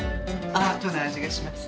アートなあじがします。